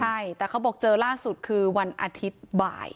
ใช่แต่เขาบอกเจอล่าสุดคือวันอาทิตย์บ่าย